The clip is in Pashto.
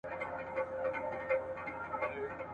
که هر څوک کتاب ولولي نو ټولنه به مو لا ښه او قوي !.